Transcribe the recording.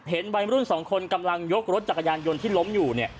วัยรุ่นสองคนกำลังยกรถจักรยานยนต์ที่ล้มอยู่เนี่ย